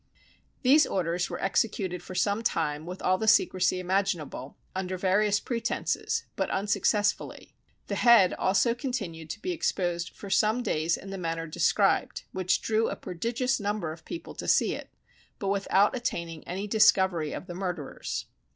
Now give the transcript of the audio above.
These orders were executed for some time, with all the secrecy imaginable, under various pretences, but unsuccessfully; the head also continued to be exposed for some days in the manner described, which drew a prodigious number of people to see it, but without attaining any discovery of the murderers.